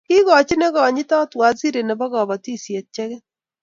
Kiikochi ne konyitot waziri nebo kabatisyet chekit